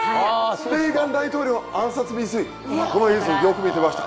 レーガン大統領暗殺未遂この映像よく見てました。